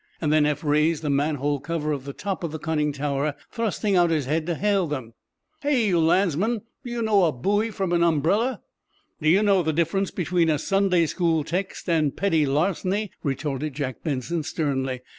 Then Eph raised the man hole cover of the top of the conning tower, thrusting out his head to hail them. "Hey, you landsmen, do you know a buoy from an umbrella?" "Do you know the difference between a Sunday school text and petty larceny?" retorted Jack Benson, sternly.